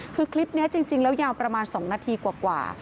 คือคลิปนี้จริงแล้วยาวประมาณ๒นาทีกว่า